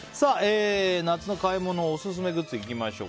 夏の買い物＆オススメグッズいきましょう。